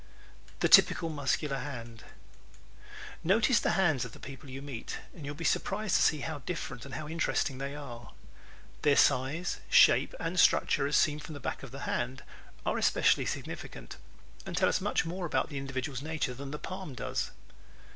The Typical Muscular Hand ¶ Notice the hands of the people you meet and you will be surprised to see how different and how interesting they are. Their size, shape and structure as seen from the back of the hand are especially significant and tell us much more about the individual's nature than the palm does.